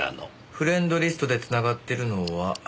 フレンドリストで繋がってるのは。